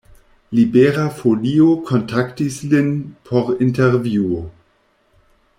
Libera Folio kontaktis lin por intervjuo.